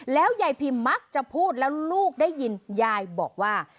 แล้วยายพิมมักจะพูดแล้วลูกได้ยินยายบอกว่า